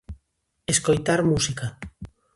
Escoitar música.